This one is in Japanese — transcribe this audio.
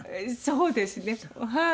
そうですねはい。